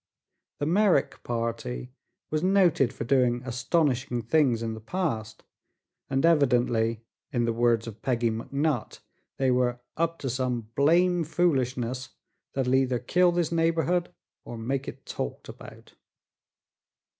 The Merrick party was noted for doing astonishing things in the past and evidently, in the words of Peggy McNutt, they were "up to some blame foolishness that'll either kill this neighborhood or make it talked about."